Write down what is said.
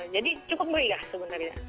jadi cukup meriah sebenarnya